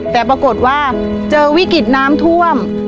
แต่ปรากฏว่าเจอวิกฤตน้ำท่วม